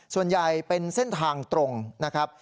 ส่วนใหญ่เป็นเส้นทางตรงนะครับ